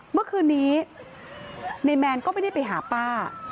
เมื่อคืนนี้นายแมนก็ไม่ได้ไปหาป้า